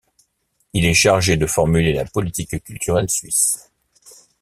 Il est chargé de formuler la politique culturelle suisse.